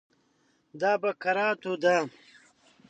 دا په کراتو ده.